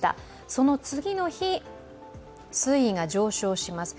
その次の日、水位が上昇します。